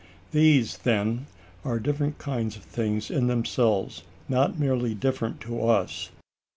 These, then, are different kinds of things in themselves, not merely different to us.